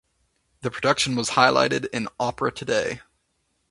The production was highlighted in "Opera Today".